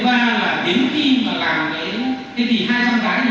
đấy là cái đó ký thì thôi